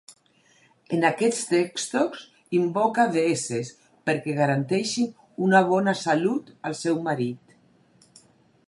En aquests textos, invoca les deesses perquè garanteixin una bona salut al seu marit.